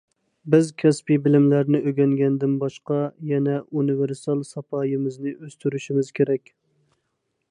بىز كەسپىي بىلىملەرنى ئۆگەنگەندىن باشقا يەنە ئۇنىۋېرسال ساپايىمىزنى ئۆستۈرۈشىمىز كېرەك.